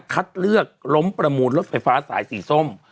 คัดเลือกล้มประมูลรถไฟฟ้าสายสีส้ม